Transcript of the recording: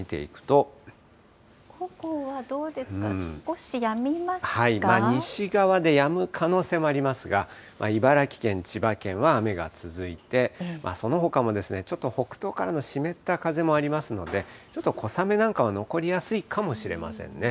午後はどうですか、少しやみ西側でやむ可能性もありますが、茨城県、千葉県は雨が続いて、そのほかもちょっと北東からの湿った風もありますので、ちょっと小雨なんかは残りやすいかもしれませんね。